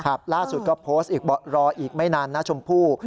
ครับล่าสุดก็โพสต์เส็นด้วยละอีกไม่นานนะชมพู่